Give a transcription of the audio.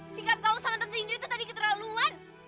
sikap kamu sama tante indri tadi keterlaluan